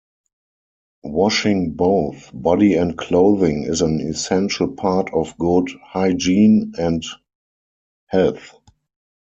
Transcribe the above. Washing both body and clothing is an essential part of good hygiene and health.